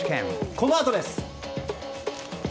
このあとです。